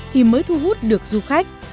thì mới thu hút được du khách